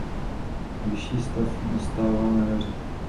Vyšší stav nastává na jaře.